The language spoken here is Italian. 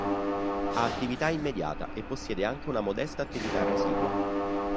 Ha attività immediata e possiede anche una modesta attività residua.